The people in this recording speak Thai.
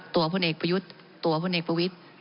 พลเอกประยุทธ์ตัวพลเอกประวิทธิ์